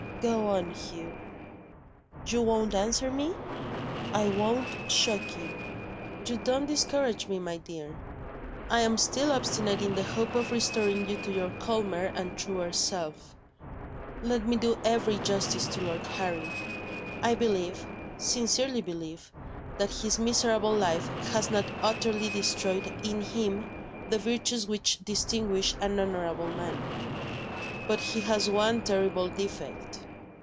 "Go on, Hugh." "You won't answer me?" "I won't shock you." "You don't discourage me, my dear; I am still obstinate in the hope of restoring you to your calmer and truer self. Let me do every justice to Lord Harry. I believe, sincerely believe, that his miserable life has not utterly destroyed in him the virtues which distinguish an honourable man. But he has one terrible defect.